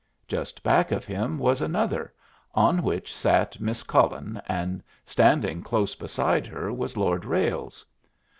Just back of him was another, on which sat Miss Cullen, and standing close beside her was Lord Ralles.